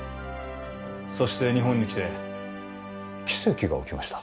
そして日本に来て奇跡が起きました